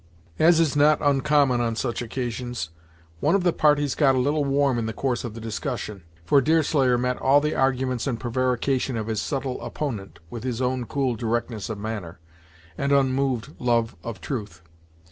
] As is not uncommon on such occasions, one of the parties got a little warm in the course of the discussion, for Deerslayer met all the arguments and prevarication of his subtle opponent with his own cool directness of manner, and unmoved love of truth.